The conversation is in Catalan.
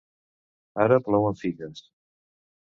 Ara plouen figues!